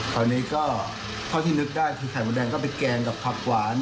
ตอนนี้ก็เท่าที่นึกได้คือไข่มดแดงก็ไปแกงกับผักหวาน